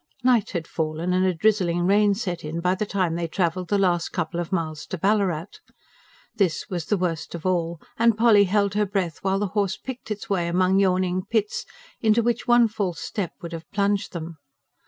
Night had fallen and a drizzling rain get in, by the time they travelled the last couple of miles to Ballarat. This was the worst of all; and Polly held her breath while the horse picked its way among yawning pits, into which one false step would have plunged them.